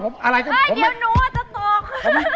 เดี๋ยวหนูอาจจะตก